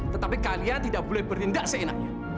tetapi kalian tidak boleh bertindak seenaknya